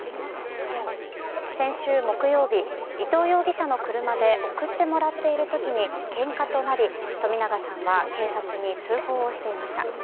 先週木曜日伊藤容疑者の車で送ってもらっている時にけんかとなり冨永さんは警察に通報をしていました。